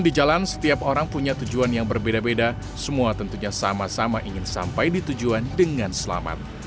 di jalan setiap orang punya tujuan yang berbeda beda semua tentunya sama sama ingin sampai di tujuan dengan selamat